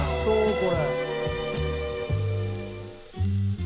これ。